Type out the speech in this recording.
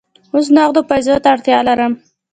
اوس نغدو پیسو ته اړتیا لرم.